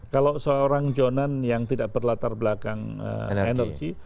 kalau seorang jonan yang tidak berlatar belakang energi